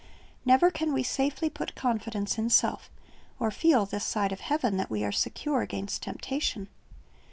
Never can we safely put confidence in self, or feel, this side of heaven, that we are secure against temptation.